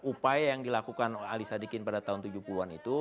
upaya yang dilakukan ali sadikin pada tahun seribu sembilan ratus tujuh puluh an itu